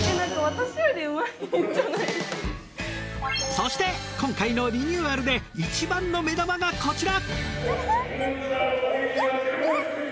そして今回のリニューアルでいちばんの目玉がこちら！